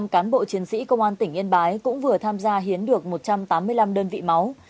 hai trăm hai mươi năm cán bộ chiến sĩ công an tỉnh yên bái cũng vừa tham gia hiến được một trăm tám mươi năm đơn vị máu